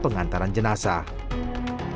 dengan penyelenggaraan perhubungan perhubungan